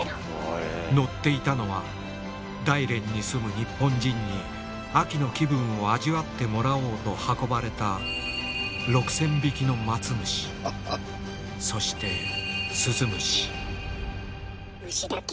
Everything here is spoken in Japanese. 乗っていたのは大連に住む日本人に秋の気分を味わってもらおうと運ばれた虫だけ。